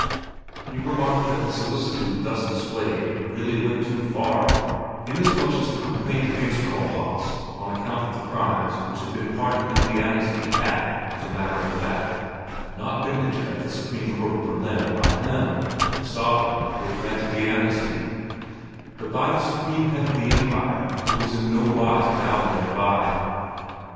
He remarked that the solicitude thus displayed really went too far, inasmuch as the complaint against Kohlhaas on account of the crimes which had been pardoned in the amnesty had, as a matter of fact, not been entered at the Supreme Court at Berlin by him, the sovereign who had granted the amnesty, but by the supreme head of the Empire who was in no wise bound thereby.